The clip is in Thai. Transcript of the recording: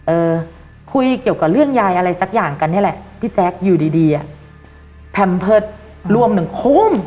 เออคุยเกี่ยวกับเรื่องยายอะไรสักอย่างกันนี่แหละพี่แจ๊คอยู่ดีดีอ่ะแพมเพิร์ตรวมหนึ่งโค้ม